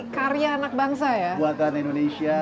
karya anak bangsa ya buatan indonesia